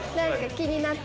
「気になって」！